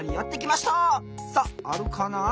さっあるかな？